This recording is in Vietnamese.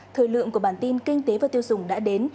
thời lượng của bản tin kinh tế và tiêu dùng đã đến